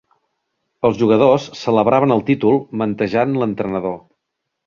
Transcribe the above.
Els jugadors celebraven el títol mantejant l'entrenador.